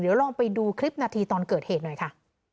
เดี๋ยวลองไปดูคลิปนาทีตอนเกิดเหตุหน่อยค่ะ